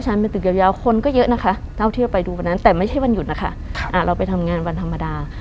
มันเป็นตึกยาวคนก็เยอะนะคะเท่าที่เราไปดูวันนั้นแต่ไม่ใช่วันหยุดนะคะเราไปทำงานวันธรรมดา